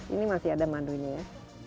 ini masih ada madunya